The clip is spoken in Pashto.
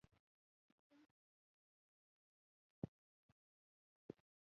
زه هېڅکله هم د غني تقوی د نقد وړ نه بولم.